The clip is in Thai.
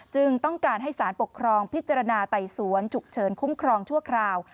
ต้องการให้สารปกครองพิจารณาไต่สวนฉุกเฉินคุ้มครองชั่วคราว